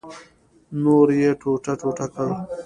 نور یې ټوټه ټوټه کړ.